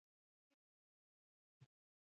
درې ایاتیام سوال د سالمې ادارې رول دی.